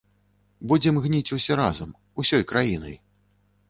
Будзем гніць усе разам, усёй краінай.